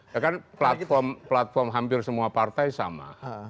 ya kan platform hampir semua partai sama